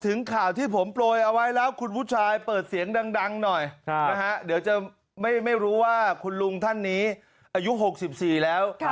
ข่าวที่ผมโปรยเอาไว้แล้วคุณผู้ชายเปิดเสียงดังหน่อยนะฮะเดี๋ยวจะไม่รู้ว่าคุณลุงท่านนี้อายุ๖๔แล้ว